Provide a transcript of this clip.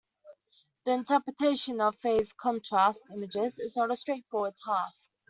The interpretation of phase-contrast images is not a straightforward task.